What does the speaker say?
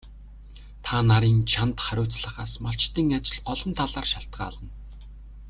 Та нарын чанд хариуцлагаас малчдын ажил олон талаар шалтгаална.